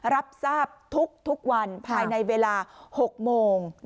รับทราบทุกวันภายในเวลา๖โมง